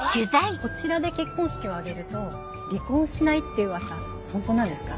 こちらで結婚式を挙げると離婚しないっていう噂本当なんですか？